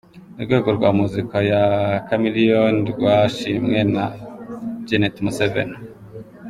Urwego rwa muzika ya Chameleone rwashimwe na Janet Museveni.